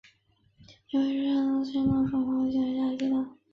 灵山卫街道是中国山东省青岛市黄岛区下辖的一个街道。